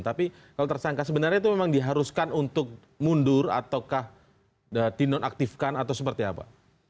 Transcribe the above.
tapi kalau tersangka sebenarnya itu memang diharuskan untuk mundur ataukah dinonaktifkan atau seperti apa